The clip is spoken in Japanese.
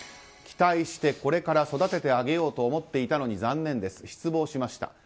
期待して、これから育ててあげようと思っていたのに残念です、失望しました。